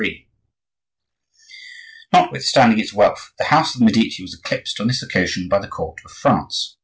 Notwithstanding its wealth, the house of the Medici was eclipsed on this occasion by the court of France.